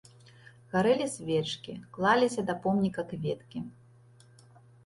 Гарэлі свечкі, клаліся да помніка кветкі.